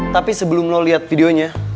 tapi sebelum lo lihat videonya